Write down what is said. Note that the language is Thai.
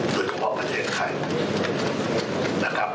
ด้วยความประเทศไทยนะครับ